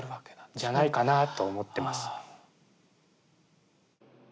じゃないかなと思ってます。